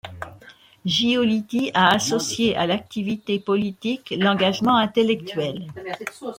Giolitti a associé à l'activité politique l'engagement intellectuel.